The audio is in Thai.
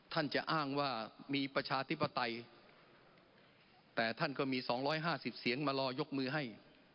ท่านจะอ้างว่ามีประชาธิปไตยแต่ท่านก็มี๒๕๐เสียงมารอยกมือให้